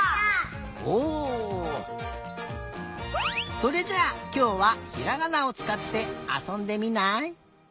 それじゃあきょうはひらがなをつかってあそんでみない？